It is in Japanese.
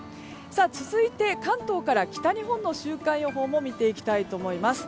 続いて、関東から北日本の週間予報も見ていきたいと思います。